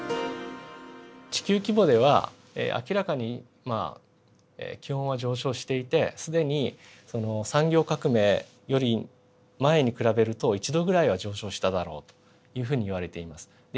地球規模では明らかにまあ気温は上昇していて既に産業革命より前に比べると１℃ぐらいは上昇しただろうというふうにいわれています。